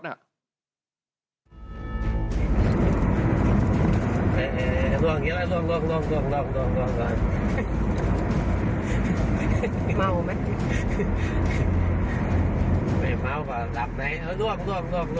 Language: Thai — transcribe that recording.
ลองอย่างนี้ละลอง